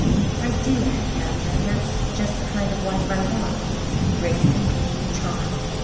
"I do, Aunt Catherine. That's just the kind of wife I want grace and beauty and charm.